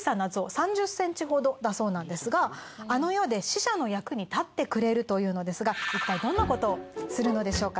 ３０センチほどだそうなんですがあの世で死者の役に立ってくれるというのですがいったいどんなことをするのでしょうか？